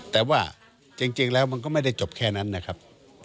แต่ว่าจริงแล้วมันก็ไม่ได้จบแค่นั้นนะครับ